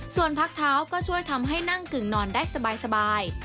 ส่วนพักเท้าก็ช่วยทำให้นั่งกึ่งนอนได้สบาย